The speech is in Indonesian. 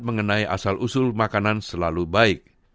mengenai asal usul makanan selalu baik